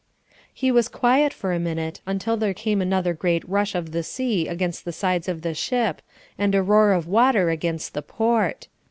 He was quiet for a minute, until there came another great rush of the sea against the sides of the ship, and a roar of water against the port.